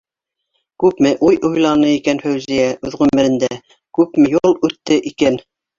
Күпме уй уйланы икән Фәүзиә үҙ ғүмерендә, күпме юл үтте икән?